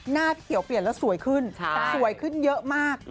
หน้าพี่เขียวเปลี่ยนแล้วสวยขึ้นเยอะมาก